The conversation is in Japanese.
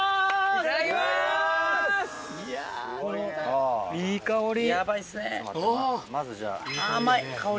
いい香り。